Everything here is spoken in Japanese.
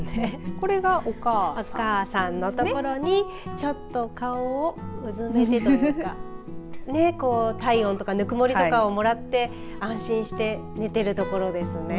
これがお母さんのところにちょっと顔をうずめてというか体温とかぬくもりとかをもらって安心して寝ているところですね。